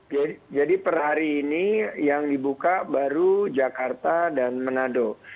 jadi jadi per hari ini yang dibuka baru jakarta dan menado